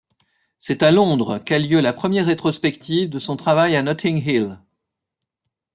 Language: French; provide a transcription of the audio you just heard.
C'est à Londres qu'a lieu la première rétrospective de son travail à Notting Hill.